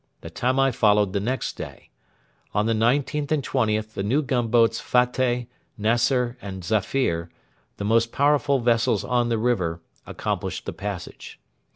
The Tamai followed the next day. On the 19th and 20th the new gunboats Fateh, Naser, and Zafir, the most powerful vessels on the river, accomplished the passage.